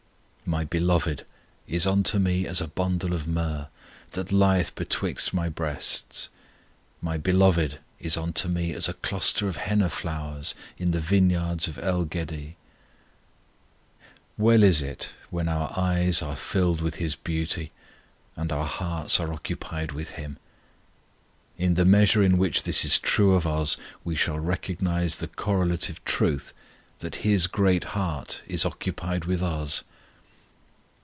My Beloved is unto me as a bundle of myrrh, That lieth betwixt my breasts. My Beloved is unto me as a cluster of henna flowers In the vineyards of En gedi. Well is it when our eyes are filled with His beauty and our hearts are occupied with Him. In the measure in which this is true of us we shall recognize the correlative truth that His great heart is occupied with us.